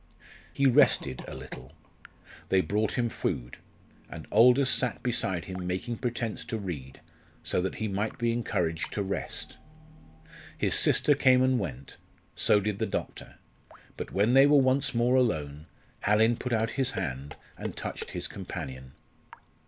He rested a little. They brought him food; and Aldous sat beside him making pretence to read, so that he might be encouraged to rest. His sister came and went; so did the doctor. But when they were once more alone, Hallin put out his hand and touched his companion.